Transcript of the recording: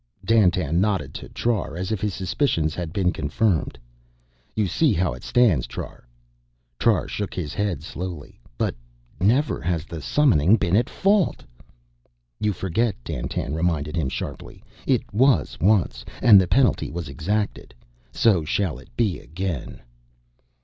Dandtan nodded to Trar as if his suspicions had been confirmed. "You see how it stands, Trar." Trar shook his head slowly. "But never has the summoning been at fault " "You forget," Dandtan reminded him sharply. "It was once and the penalty was exacted. So shall it be again."